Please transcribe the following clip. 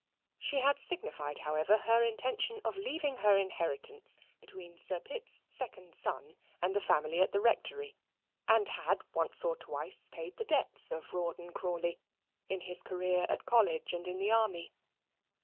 She had signified, however, her intention of leaving her inheritance between Sir Pitt's second son and the family at the Rectory, and had once or twice paid the debts of Rawdon Crawley in his career at college and in the army.